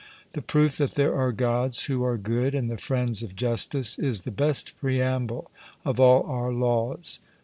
The proof that there are Gods who are good, and the friends of justice, is the best preamble of all our laws.'